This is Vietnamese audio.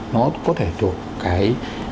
nó có thể thuộc cái